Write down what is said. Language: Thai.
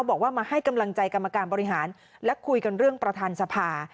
บอกว่ามาให้กำลังใจกรรมการบริหารและคุยกันเรื่องประธานสภา